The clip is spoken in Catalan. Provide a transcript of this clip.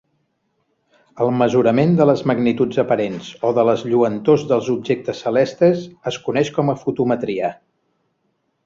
El mesurament de les magnituds aparents o de les lluentors dels objectes celestes es coneix com a fotometria.